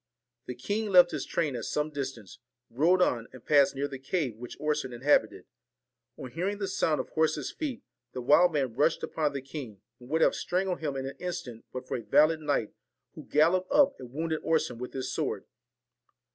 The king left his train at some distance, rode on, and Sassed near the cave which Orson inhabited, n hearing the sound of horses' feet, the wild man rushed upon the king, and would have strangled him in an instant but for a valiant knight, who galloped up and wounded Orson with his sword.